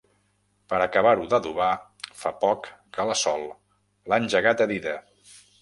Per acabar-ho d'adobar, fa poc que la Sol l'ha engegat a dida.